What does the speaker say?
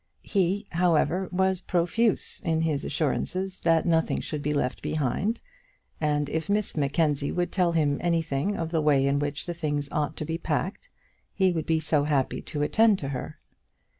He, however, was profuse in his assurances that nothing should be left behind, and if Miss Mackenzie would tell him anything of the way in which the things ought to be packed, he would be so happy to attend to her!